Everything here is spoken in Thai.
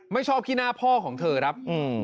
ไม่ชอบขี้หน้าพ่อของเธอครับ